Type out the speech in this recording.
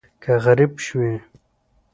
که غریب شوې